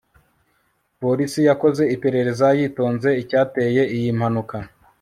polisi yakoze iperereza yitonze icyateye iyi mpanuka